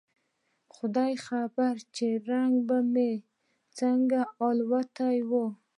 خداى خبر چې رنگ به مې څنګه الوتى و.